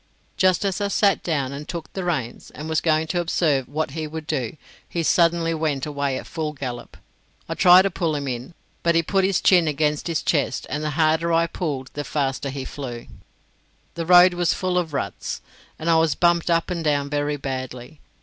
Just as I sat down, and took the reins, and was going to observe what he would do, he suddenly went away at full gallop. I tried to pull him in, but he put his chin against his chest, and the harder I pulled the faster he flew. The road was full of ruts, and I was bumped up and down very badly.